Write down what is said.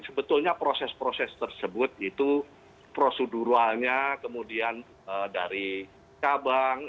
sebetulnya proses proses tersebut itu proseduralnya kemudian dari cabang